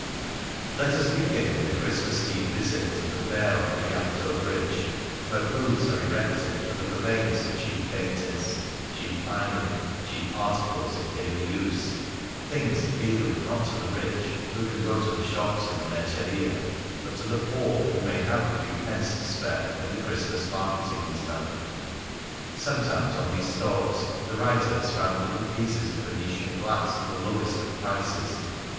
Let us begin with a Christmas Eve visit to the fair on the Rial to Bridge, where booths are erected for the purveyance of cheap dainties, cheap finery, cheap articles of daily use — things appealing not to the rich, who can go to the shops in the Merceria, but to the poor who may have a few pence to spare when the Christ mas marketing is done. Sometimes on these stalls the writer has found little pieces of Vene tian glass at the lowest of prices.